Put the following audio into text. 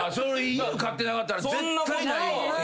犬飼ってなかったら絶対ない。